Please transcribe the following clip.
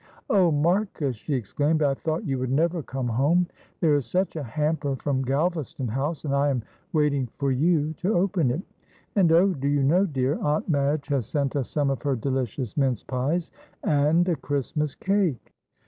"Oh, Marcus!" she exclaimed, "I thought you would never come home; there is such a hamper from Galvaston House, and I am waiting for you to open it. And oh! do you know, dear, Aunt Madge has sent us some of her delicious mince pies, and a Christmas cake!"